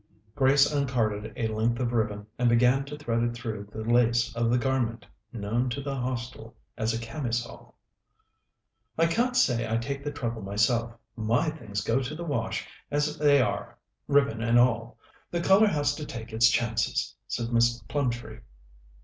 Grace uncarded a length of ribbon, and began to thread it through the lace of the garment known to the Hostel as a camisole. "I can't say I take the trouble myself. My things go to the wash as they are, ribbon and all. The colour has to take its chances," said Miss Plumtree.